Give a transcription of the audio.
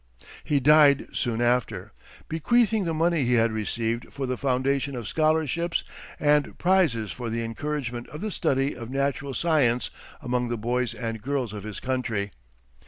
He died soon after, bequeathing the money he had received for the foundation of scholarships and prizes for the encouragement of the study of natural science among the boys and girls of his country.